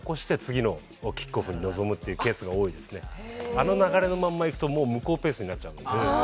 あの流れのまんま行くともう向こうペースになっちゃうので。